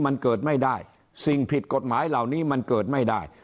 มันเกิดไม่ได้สิ่งผิดกฎหมายเหล่านี้มันเกิดไม่ได้